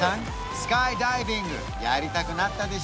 スカイダイビングやりたくなったでしょ？